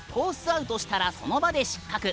アウトしたらその場で失格。